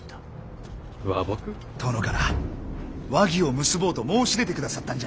殿から和議を結ぼうと申し出てくださったんじゃ！